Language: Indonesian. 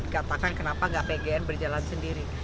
katakan kenapa nggak pgn berjalan sendiri